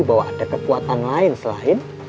bahwa ada kekuatan lain selain